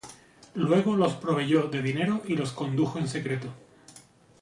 Luego los proveyó de dinero y los condujo en secreto.